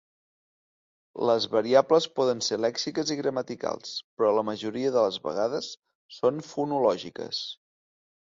Les variables poden ser lèxiques i gramaticals, però la majoria de les vegades són fonològiques.